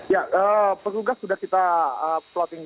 ya petugas sudah kita plotting